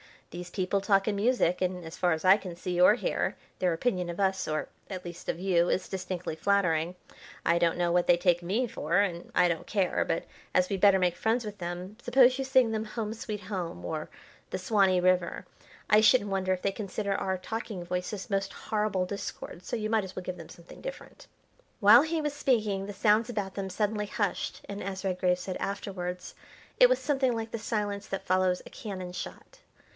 "These people talk in music, and, as far as I can see or hear, their opinion of us, or, at least, of you, is distinctly flattering. I don't know what they take me for, and I don't care, but as we'd better make friends with them suppose you sing them 'Home, Sweet Home,' or the 'Swanee River.' I shouldn't wonder if they consider our talking voices most horrible discords, so you might as well give them something different." While he was speaking the sounds about them suddenly hushed, and, as Redgrave said afterwards, it was something like the silence that follows a cannon shot.